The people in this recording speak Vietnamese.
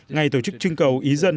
ngày tổ chức chưng cầu ý dân